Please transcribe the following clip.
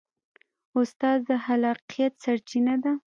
استاد د خلاقیت سرچینه ده.